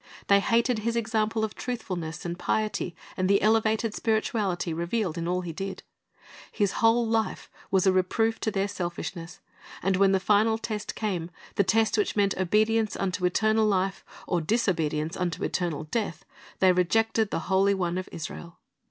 They hated His example of truthfulness and piety and the elevated spirituality revealed in all He did. His whole life was a reproof to their selfishness, and when the final test came, the test which meant obedience unto eternal life or disobedience unto eternal death, they rejected the Holy One of Israel.